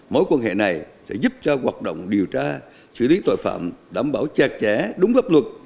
mối quan hệ này sẽ giúp cho hoạt động điều tra xử lý tội phạm đảm bảo chặt chẽ đúng pháp luật